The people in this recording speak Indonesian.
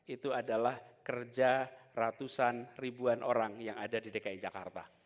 itu adalah kerja ratusan ribuan orang yang ada di dki jakarta